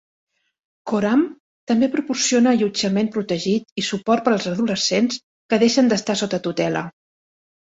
Coram també proporciona allotjament protegit i suport per als adolescents que deixen d'estar sota tutela.